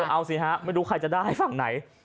เอาสิฮะไม่รู้ใครจะได้ฝั่งไหน